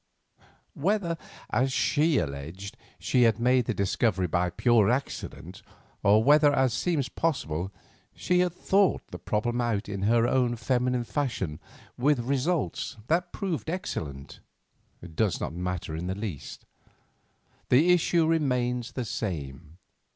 Whether, as she alleged, she made this discovery by pure accident, or whether, as seems possible, she had thought the problem out in her own feminine fashion with results that proved excellent, does not matter in the least. The issue remains the same.